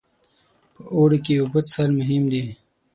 په اوړي کې اوبه څښل مهم دي.